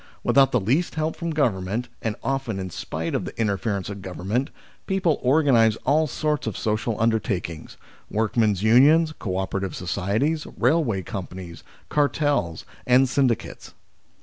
Without the least help from Government, and often in spite of the interference of Government, people 7 98 THE SLAVERY OF OUR TIMES organise all sorts of social undertakings work men's unions, co operative societies, railway com panies, artels, 1 and syndicates.